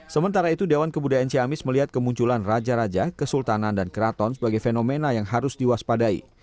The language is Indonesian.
sementara itu dewan kebudayaan ciamis melihat kemunculan raja raja kesultanan dan keraton sebagai fenomena yang harus diwaspadai